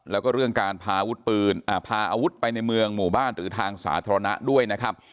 แล้วก็เรื่องการพาอาวุธปืนพาอาวุธไปในเมืองหมู่บ้านหรือทางสาธารณะด้วยนะครับ